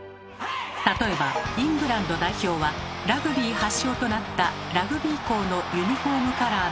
例えばイングランド代表はラグビー発祥となったラグビー校のユニフォームカラーの白。